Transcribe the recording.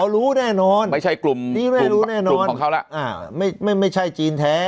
เขารู้แน่นอนไม่ใช่กลุ่มไม่รู้แน่นอนไม่ใช่จีนแท้